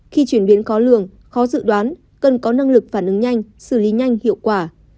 khi chuyển biến khó lường khó dự đoán cần có năng lực phản ứng nhanh xử lý nhanh hiệu quả